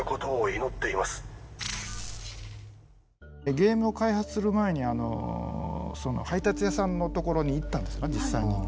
ゲームを開発する前に配達屋さんのところに行ったんですね実際に。